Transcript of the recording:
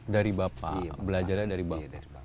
dari bapak belajarnya dari bang